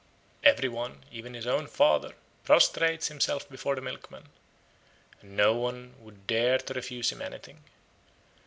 Every one, even his own father, prostrates himself before the milkman, and no one would dare to refuse him anything.